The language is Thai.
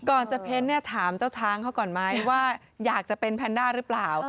ก่อนจะเพ้นเนี่ยถามเจ้าช้างเขาก่อนไหมว่าอยากจะเป็นแพนด้าหรือเปล่า